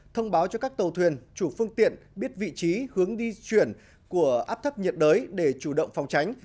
thông báo cho các tàu thuyền chủ phương tiện biết vị trí hướng đi chuyển của áp thấp nhiệt đới để chủ động phòng tránh